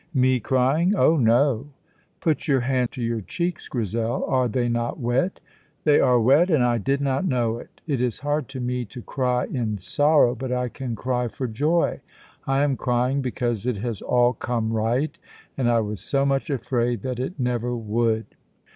"Me crying! Oh, no!" Put your hand to your cheeks, Grizel. Are they not wet? "They are wet, and I did not know it! It is hard to me to cry in sorrow, but I can cry for joy. I am crying because it has all come right, and I was so much afraid that it never would."